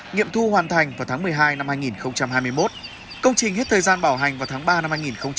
nghiệm thu hoàn thành vào tháng một mươi hai năm hai nghìn hai mươi một công trình hết thời gian bảo hành vào tháng ba năm hai nghìn hai mươi